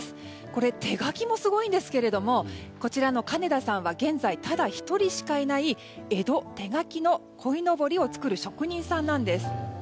これ、手描きもすごいんですけれどもこちらの金田さんは現在ただ１人しかいない江戸手描きのこいのぼりを作る職人さんなんです。